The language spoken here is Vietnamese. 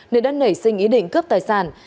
nên đã nảy sinh ý định cướp tài sản